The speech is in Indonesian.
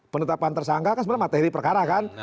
penetapan tersangka kan sebenarnya materi perkara kan